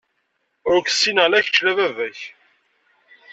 Ur k-ssineɣ la kečč, la baba-k.